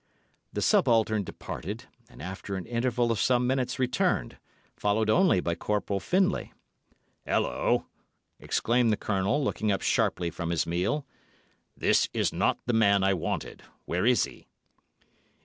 The subaltern departed, and after an interval of some minutes returned, followed only by Corporal Findlay. "Hulloa!" exclaimed the Colonel, looking up sharply from his meal. "This is not the man I wanted. Where is he?"